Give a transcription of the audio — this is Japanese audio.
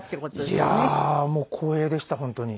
いやーもう光栄でした本当に。